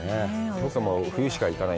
僕は冬しか行かない。